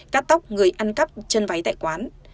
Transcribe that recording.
cắt tóc người ăn cắp chân váy tại quán